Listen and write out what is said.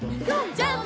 ジャンプ！